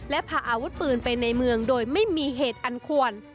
และพาอาวุธปืนไปในเมืองโดยไม่มีเหตุอันควร